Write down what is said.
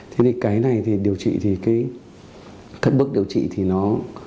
thế thì cái này thì điều trị thì cái thất bức điều trị thì nó